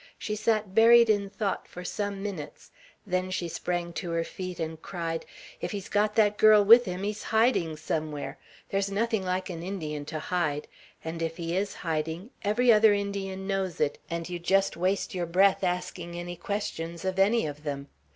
She sat buried in thought for some minutes; then she sprang to her feet, and cried: "If he's got that girl with him, he's hiding somewhere. There's nothing like an Indian to hide; and if he is hiding, every other Indian knows it, and you just waste your breath asking any questions of any of them.